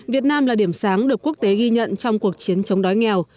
việt nam là điểm sáng được quốc tế ghi nhận trong cuộc chiến chống đói nghèo